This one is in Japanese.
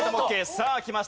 さあきました